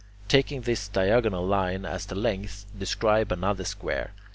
Taking this diagonal line as the length, describe another square.